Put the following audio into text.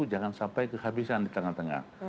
jangan sampai kehabisan di tengah tengah